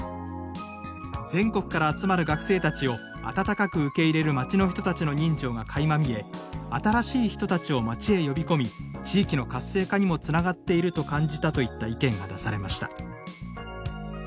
「全国から集まる学生たちをあたたかく受け入れる町の人たちの人情がかいま見え新しい人たちを町へ呼び込み地域の活性化にもつながっていると感じた」といった意見が出されました。